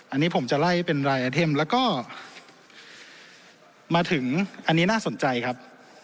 อันนี้ผมจะไล่เป็นรายอาเทมแล้วก็มาถึงอันนี้น่าสนใจครับ